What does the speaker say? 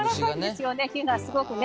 すごくね。